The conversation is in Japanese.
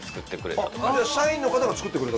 社員の方が作ってくれた？